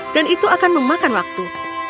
dan itu akan memakan waktu